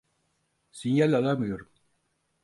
Sinyal alamıyorum.